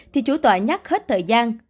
thì chủ tọa nhắc hết thời gian